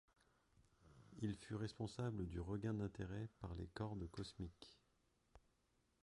Il fut responsable du regain d'intérêt pour les cordes cosmiques.